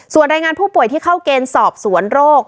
ส่วนรายงานผู้ป่วยที่เข้าเกณฑ์สอบสวนโรค